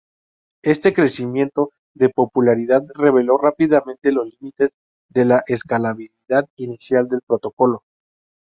Este crecimiento de popularidad reveló rápidamente los límites de la escalabilidad inicial del protocolo.